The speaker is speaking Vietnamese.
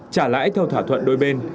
trả lãi theo thỏa thuận đôi bên